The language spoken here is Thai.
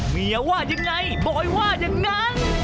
เมียว่ายังไงบอยว่าอย่างนั้น